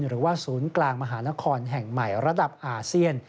หรือว่าศูนย์กลางมหานครแห่งใหม่ระดับอาเซียน